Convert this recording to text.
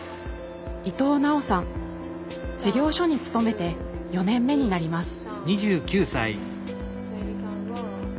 事業所に勤めて４年目になります。